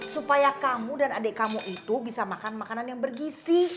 supaya kamu dan adik kamu itu bisa makan makanan yang bergisi